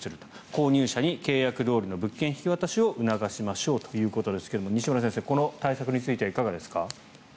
購入者に契約どおりの物件引き渡しを促しましょうということですが西村先生、この対策についてはいかがですか？